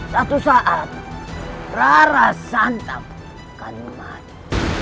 satu saat rara santam akan mati